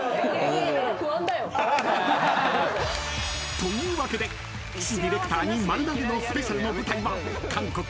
［というわけで岸ディレクターに丸投げのスペシャルの舞台は］